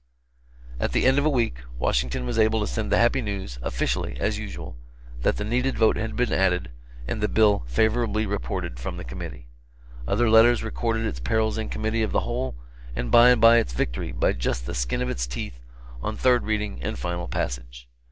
At the end of a week, Washington was able to send the happy news, officially, as usual, that the needed vote had been added and the bill favorably reported from the Committee. Other letters recorded its perils in Committee of the whole, and by and by its victory, by just the skin of its teeth, on third reading and final passage.